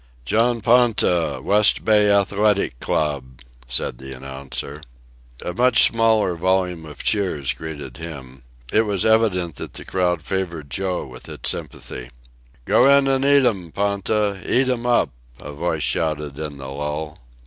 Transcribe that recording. "John Ponta, West Bay Athletic Club," said the announcer. A much smaller volume of cheers greeted him. It was evident that the crowd favored Joe with its sympathy. "Go in an' eat 'm, Ponta! Eat 'm up!" a voice shouted in the lull.